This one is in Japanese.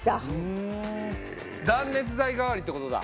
断熱材代わりってことだ。